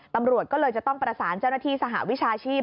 ตำรวจก็เลยจะต้องประสานเจ้าหน้าที่สหวิชาชีพ